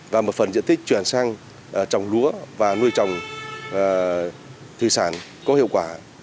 và một phần diện tích chuyển sang trồng lúa và nuôi trồng thủy sản có hiệu quả